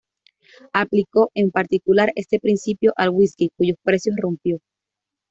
Aplicó, en particular, este principio al whisky, cuyos precios rompió.